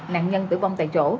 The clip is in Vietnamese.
nạn nhân tử vong tại chỗ